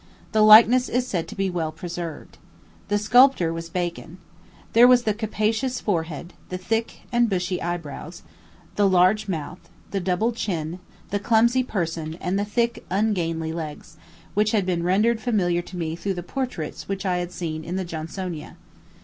The likeness is said to be well preserved. The sculptor was Bacon. There was the capacious forehead, the thick bushy eyebrows, the large mouth, the double chin, the clumsy person, and the thick, ungainly legs, which had been rendered familiar to me through the portraits which I had seen in the Johnsonia.